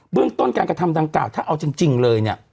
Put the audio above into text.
เรื่องต้นการกระทำดังกล่าวถ้าเอาจริงเลยเนี่ย